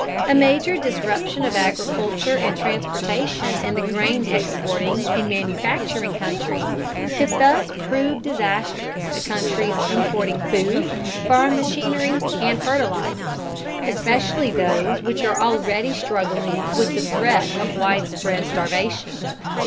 A major disruption of agriculture and transportation in the grain exporting and manufacturing countries could thus prove disastrous to countries importing food, farm machinery, and fertilizers especially those which are already struggling with the threat of widespread starvation.